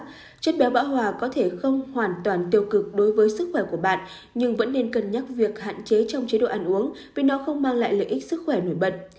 dầu dừa có nồng độ chất béo bão hỏa có thể không hoàn toàn tiêu cực đối với sức khỏe của bạn nhưng vẫn nên cân nhắc việc hạn chế trong chế độ ăn uống vì nó không mang lại lợi ích sức khỏe nổi bật